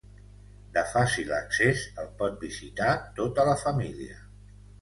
De fàcil accés, el pot visitar tota la família.